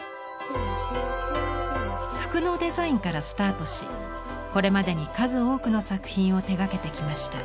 服のデザインからスタートしこれまでに数多くの作品を手がけてきました。